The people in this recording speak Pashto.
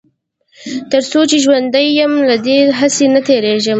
تر څو چې ژوندی يم له دې هڅې نه تېرېږم.